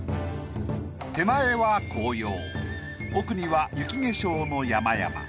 手前は紅葉奥には雪化粧の山々。